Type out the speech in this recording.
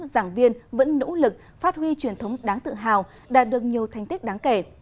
giảng viên vẫn nỗ lực phát huy truyền thống đáng tự hào đạt được nhiều thành tích đáng kể